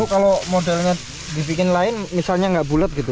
kalau modelnya dibikin lain misalnya nggak bulet gitu